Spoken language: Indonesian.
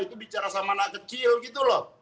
itu bicara sama anak kecil gitu loh